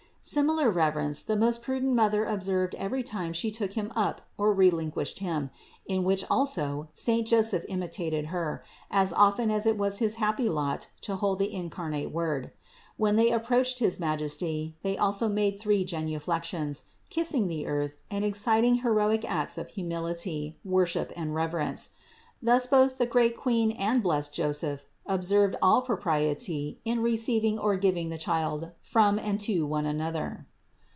Similar rev erence the most prudent Mother observed every time She took Him up or relinquished Him, in which also saint Joseph imitated Her, as often as it was his happy lot to hold the incarnate Word. When they approached his Majesty, they also made three genuflections, kissing the earth and exciting heroic acts of humility, worship and reverence. Thus both the great Queen and the blessed Joseph observed all propriety in receiving or giv ing the Child from and to one another.